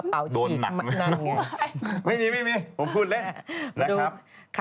สวัสดีค่ะ